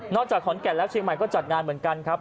จากขอนแก่นแล้วเชียงใหม่ก็จัดงานเหมือนกันครับ